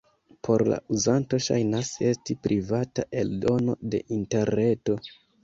Por la uzanto ŝajnas esti privata eldono de interreto.